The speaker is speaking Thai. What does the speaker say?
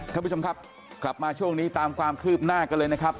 ท่านผู้ชมครับกลับมาช่วงนี้ตามความคืบหน้ากันเลยนะครับ